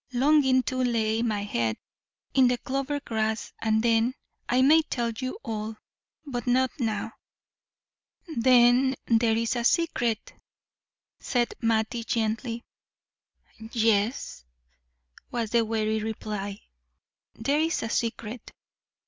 longing to lay my head in the clover grass, and then I may tell you all but not now." "Then there is a secret?" said Mattie, gently. "Yes," was the wary reply, "there is a secret."